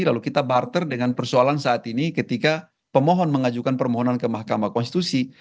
lalu kita barter dengan persoalan saat ini ketika pemohon mengajukan permohonan ke mahkamah konstitusi